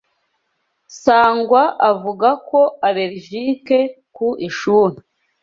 Sangwa avuga ko allergique ku ishuri.